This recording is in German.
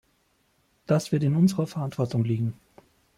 Das wird in unserer Verantwortung liegen.